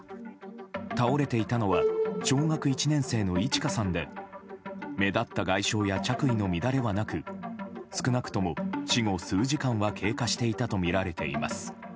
倒れていたのは小学１年生のいち花さんで目立った外傷や着衣の乱れはなく少なくとも死後数時間は経過していたとみられています。